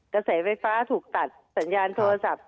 กระแสไฟฟ้าถูกตัดสัญญาณโทรศัพท์